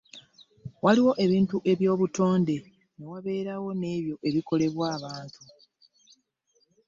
Waliwo ebintu ebyobutonde ne wabeerawo nebyo ebikolebwa abantu.